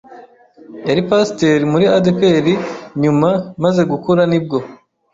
yari Pasteur muri ADEPR nyuma maze gukura nibwo